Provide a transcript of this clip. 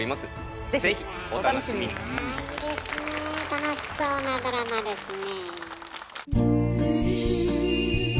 楽しそうなドラマですね。